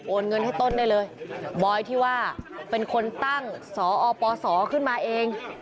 เงินให้ต้นได้เลยบอยที่ว่าเป็นคนตั้งสอปศขึ้นมาเอง